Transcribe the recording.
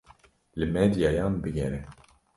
Li medyayan bigere.